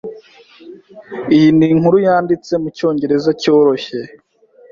Iyi ni inkuru yanditse mucyongereza cyoroshye.